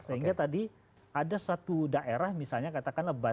sehingga tadi ada satu daerah misalnya katakanlah banjir